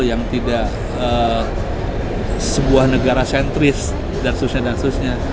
yang tidak sebuah negara sentris dan seterusnya